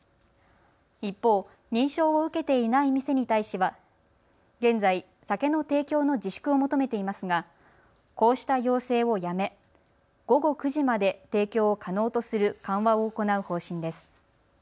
一方、認証を受けていない店に対しては現在、酒の提供の自粛を求めていますがこうした要請をやめ午後９時まで提供を可能とする緩和を行う方針です。